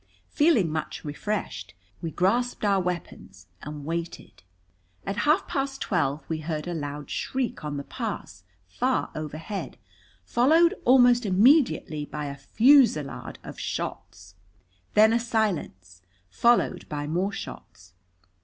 Feeling much refreshed, we grasped our weapons and waited. At half past twelve we heard a loud shriek on the pass, far overhead, followed almost immediately by a fusillade of shots. Then a silence, followed by more shots.